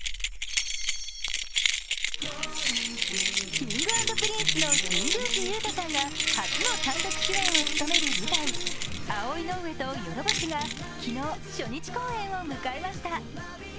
Ｋｉｎｇ＆Ｐｒｉｎｃｅの神宮寺勇太さんが初の単独主演を務める舞台「葵上」と「弱法師」が昨日、初日公演を迎えました。